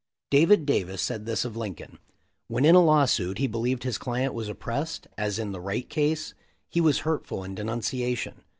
David Davis said this of Lincoln: "When in a lawsuit he believed his client was oppressed, — as in the Wright case, — he was hurtful in denunciation.